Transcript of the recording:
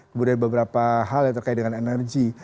kemudian beberapa hal yang terkait dengan energi